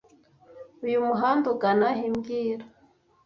Uyu muhanda ugana he mbwira